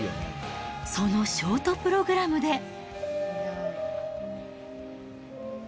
そのショートプログラムで。